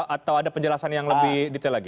atau ada penjelasan yang lebih detail lagi